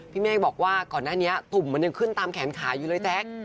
เมฆบอกว่าก่อนหน้านี้ตุ่มมันยังขึ้นตามแขนขาอยู่เลยแจ๊ค